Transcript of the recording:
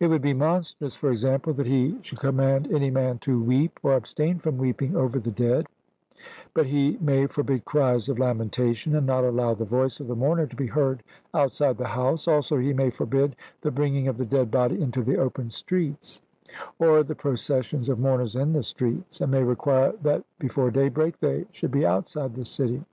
It would be monstrous for example that he should command any man to weep or abstain from weeping over the dead; but he may forbid cries of lamentation, and not allow the voice of the mourner to be heard outside the house; also, he may forbid the bringing of the dead body into the open streets, or the processions of mourners in the streets, and may require that before daybreak they should be outside the city.